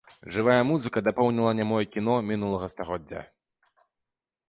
Жывая музыка дапоўніла нямое кіно мінулага стагоддзя.